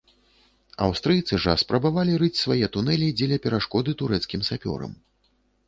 Аўстрыйцы жа спрабавалі рыць свае тунэлі, дзеля перашкоды турэцкім сапёрам.